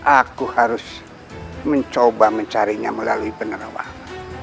aku harus mencoba mencarinya melalui penerawang